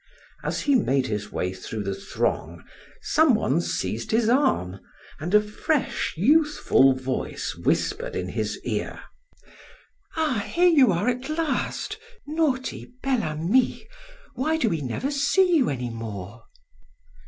As he made his way through the throng, some one seized his arm, and a fresh, youthful voice whispered in his ear: "Ah, here you are at last, naughty Bel Ami! Why do we never see you any more?"